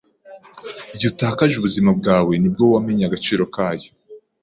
Igihe utakaje ubuzima bwawe ni bwo wamenye agaciro kayo.